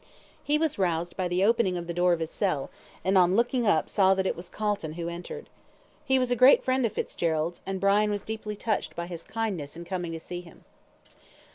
He was roused by the opening of the door of his cell, and on looking up saw that it was Calton who entered. He was a great friend of Fitzgerald's, and Brian was deeply touched by his kindness in coming to see him.